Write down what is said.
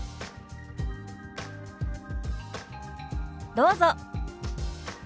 どうぞ。